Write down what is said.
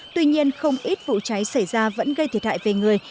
tuy nhiên không ít vụ cháy xảy ra vẫn gây thiệt hại về người